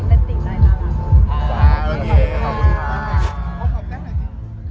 เราก็ขอบคุณค่ะ